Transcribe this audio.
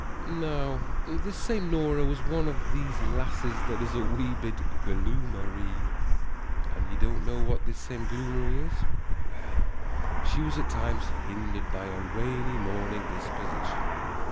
Now this same Nora was one of these lasses that is a wee bit gloomery. And ye don't know what this same gloomery is? Well, she was at times hindered by a rainy mornin' disposition.